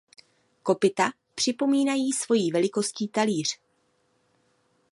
Kopyta připomínají svojí velikostí talíř.